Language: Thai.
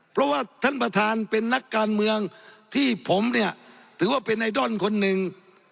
เพราะว่าท่านประธานเป็นนักการเมืองที่ผมเนี่ยถือว่าเป็นไอดอลคนหนึ่ง